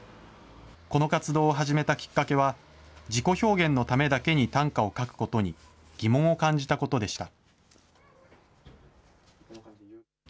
この活動を始めたきっかけは、自己表現のためだけに短歌をかくことだけに疑問を感じたことでした。